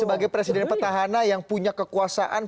sebagai presiden petahana yang punya kekuasaan